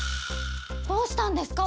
どうしたんですか？